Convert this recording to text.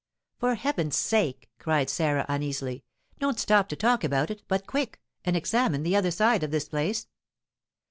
"For heaven's sake," cried Sarah, uneasily, "don't stop to talk about it, but quick! and examine the other side of this place!"